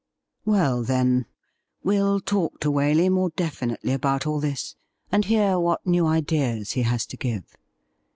Well, then, we'll talk to Waley more definitely about all this, and hear what new ideas he has to give.